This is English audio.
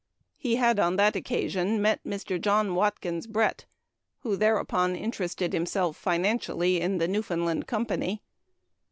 He had, on that occasion, met Mr. John Watkins Brett, who thereupon interested himself financially in the "Newfoundland Company."